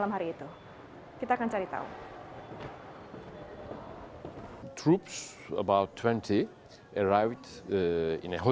kita akan cari tahu